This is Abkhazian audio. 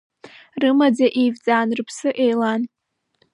Рымаӡа еивҵан, рыԥсы еилан.